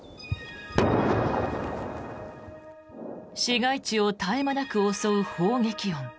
市街地を絶え間なく襲う砲撃音。